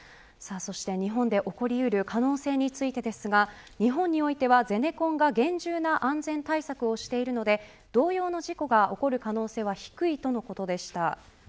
日本で起こりうる可能性についてですが日本においてはゼネコンが厳重な安全対策をしているので同様の事故が起こる可能性は低いとのことでした。